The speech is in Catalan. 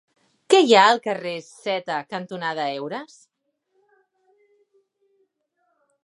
Què hi ha al carrer Zeta cantonada Heures?